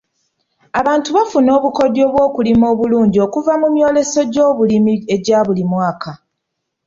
Abantu bafuna obukodyo bw'okulima obulungi okuva mu myoleso gy'obulimi egya buli mwaka.